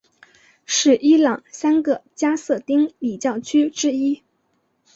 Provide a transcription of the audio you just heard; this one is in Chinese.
是伊朗三个加色丁礼教区之一。